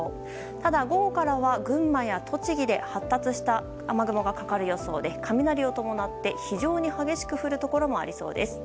ただ、午後からは群馬や栃木で発達した雨雲がかかる予想で雷を伴って非常に激しく降るところもありそうです。